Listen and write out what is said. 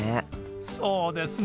そうですね。